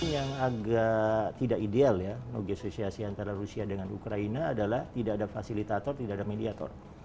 yang agak tidak ideal ya bagi asosiasi antara rusia dengan ukraina adalah tidak ada fasilitator tidak ada mediator